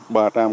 ba đồng hành